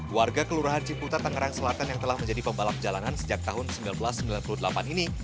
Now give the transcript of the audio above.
warga kelurahan ciputa tangerang selatan yang telah menjadi pembalap jalanan sejak tahun seribu sembilan ratus sembilan puluh delapan ini